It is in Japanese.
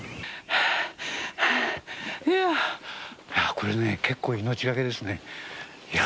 これね、結構命がけですね。